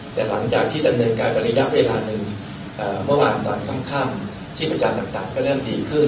แต่หลังจากที่ดำเนินการไประยะเวลาหนึ่งเมื่อวานตอนค่ำชีพจรต่างก็เริ่มดีขึ้น